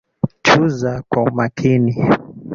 Chuza kwa umakini